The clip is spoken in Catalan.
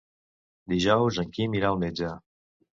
Dijous en Quim irà al metge.